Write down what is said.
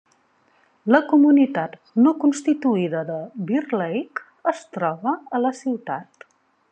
La comunitat no constituïda de Bear Lake es troba a la ciutat.